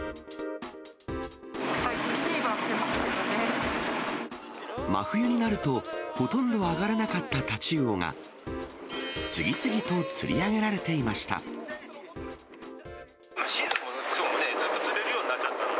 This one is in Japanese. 最近、真冬になると、ほとんど上がらなかったタチウオが、次々と釣り上げられていましシーズンもくそもね、ずっと釣れるようになっちゃったので。